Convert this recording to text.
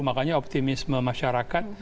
makanya optimisme masyarakat